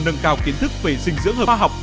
nâng cao kiến thức về dinh dưỡng hợp hợp